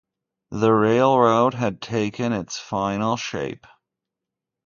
The railroad had taken its final shape.